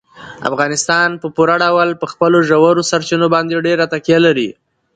افغانستان په پوره ډول په خپلو ژورو سرچینو باندې ډېره تکیه لري.